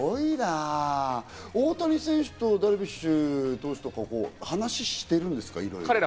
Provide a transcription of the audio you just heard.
大谷選手とダルビッシュ投手、話をしてるんですか？